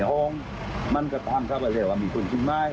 ห้องก็ร่างเข้าไปแล้วมีคนชมร้าย